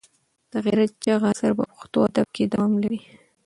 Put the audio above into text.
د غیرت چغې اثر په پښتو ادب کې دوام لري.